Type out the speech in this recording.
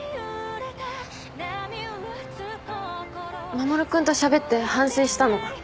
守君としゃべって反省したの。